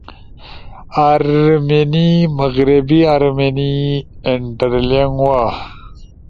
آرمینی، مغربی آرمینی، انٹرلینگوا